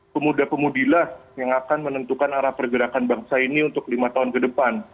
pemuda pemudilah yang akan menentukan arah pergerakan bangsa ini untuk lima tahun ke depan